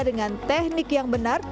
dengan teknik yang benar